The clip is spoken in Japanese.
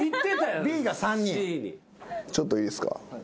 ちょっといいですか？